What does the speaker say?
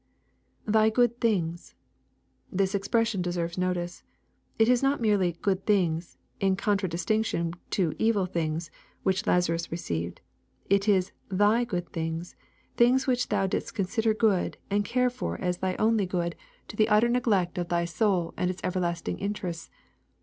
[I%y good things.] This expression deserves notice. It is not merely " good things,' in contradistinction to " evil things," which Lazarus received. It is " thy good things." —" Things which thou didst consider good, and care for as tliy only goc^ LUKE, CHAP. XVI. 21S to the utter neglect of thy soul, and its everlasting interests.